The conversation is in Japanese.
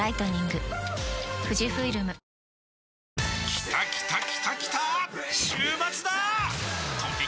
きたきたきたきたー！